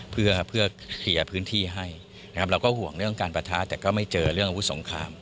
เพื่อเคลียร์พื้นที่ให้นะครับเราก็ห่วงเรื่องการปะทะแต่ก็ไม่เจอเรื่องอาวุธสงคราม